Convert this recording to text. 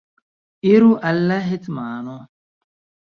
Iru al la hetmano!